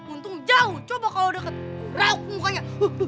untung jauh coba kalo udah kena rauk mukanya